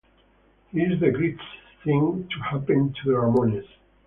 He's the greatest thing to happen to the Ramones.